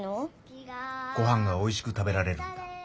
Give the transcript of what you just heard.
ごはんがおいしく食べられるんだ。